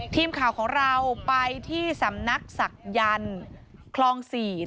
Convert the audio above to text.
ทีมข่าวของเราไปที่สำนักศักยันต์คลอง๔